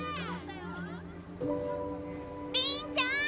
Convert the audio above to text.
りんちゃん！